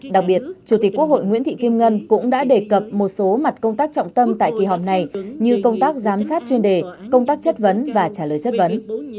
đặc biệt chủ tịch quốc hội nguyễn thị kim ngân cũng đã đề cập một số mặt công tác trọng tâm tại kỳ họp này như công tác giám sát chuyên đề công tác chất vấn và trả lời chất vấn